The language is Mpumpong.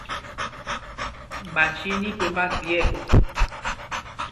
Ɓanj í í ní tombá sī ɛɓɔ.